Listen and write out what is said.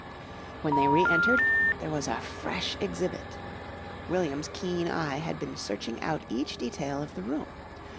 When they re entered there was a fresh exhibit. William's keen eye had been searching out each detail of the room.